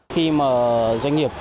khi mà doanh nghiệp